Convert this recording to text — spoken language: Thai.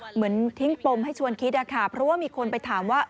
เหมือนทิ้งปมให้ชวนคิดอะค่ะเพราะว่ามีคนไปถามว่า